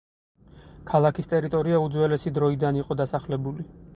ქალაქის ტერიტორია უძველესი დროიდან იყო დასახლებული.